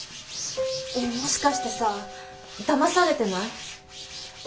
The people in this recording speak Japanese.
ねえもしかしてさだまされてない？